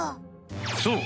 そう。